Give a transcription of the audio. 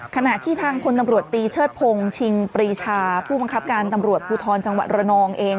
ขณะที่ทางพลตำรวจตีเชิดพงศ์ชิงปรีชาผู้บังคับการตำรวจภูทรจังหวัดระนองเอง